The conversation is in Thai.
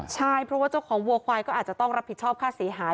ใช่เพราะว่าเจ้าของวัวควายก็อาจจะต้องรับผิดชอบค่าเสียหาย